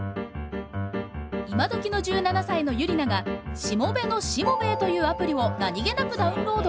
今どきの１７歳のユリナが「しもべのしもべえ」というアプリを何気なくダウンロード。